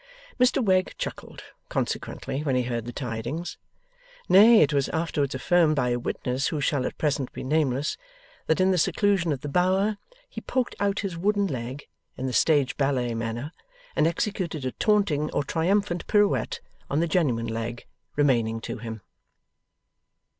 Mr Wegg chuckled, consequently, when he heard the tidings. Nay, it was afterwards affirmed by a witness who shall at present be nameless, that in the seclusion of the Bower he poked out his wooden leg, in the stage ballet manner, and executed a taunting or triumphant pirouette on the genuine leg remaining to him.